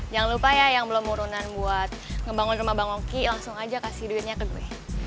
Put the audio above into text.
jangan lupa ya yang belum murunan buat ngebangun rumah bang oki langsung aja kasih duitnya ke gue